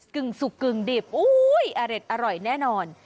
ึ่งสุกกึ่งดิบอุ้ยอร่อยแน่นอน